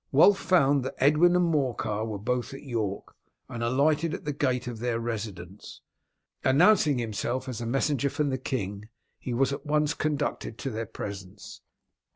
Wulf found that Edwin and Morcar were both at York, and alighted at the gate of their residence. Announcing himself as a messenger from the king, he was at once conducted into their presence.